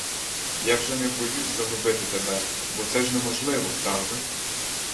Я вже не боюсь загубити тебе, бо це ж неможливо, правда?